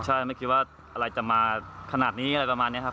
ใช่ไม่คิดว่าอะไรจะมาขนาดนี้อะไรประมาณนี้ครับ